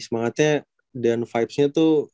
semangatnya dan vibesnya tuh